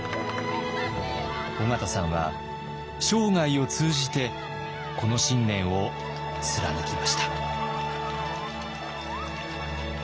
緒方さんは生涯を通じてこの信念を貫きました。